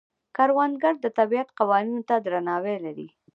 کروندګر د طبیعت قوانینو ته درناوی لري